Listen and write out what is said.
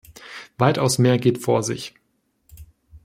Weitaus mehr geht vor sich.